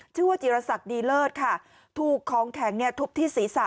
ชื่อว่าจิรษักดีเลิศค่ะถูกของแข็งเนี่ยทุบที่ศีรษะ